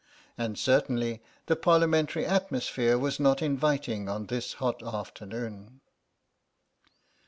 And certainly, the Parliamentary atmosphere was not inviting on this hot afternoon.